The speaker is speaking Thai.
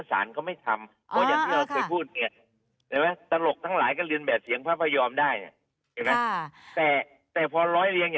แต่ไม่ใช่ตัวตัดสินใช่ไม่ใช่ตัวตัดสิน